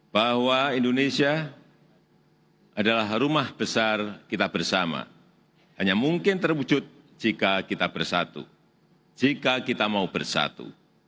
bahwa indonesia adalah rumah besar kita bersama hanya mungkin terwujud jika kita bersatu jika kita mau bersatu